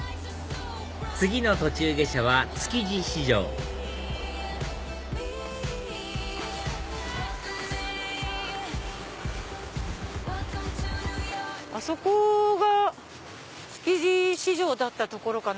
次の途中下車は築地市場あそこが築地市場だった所かな。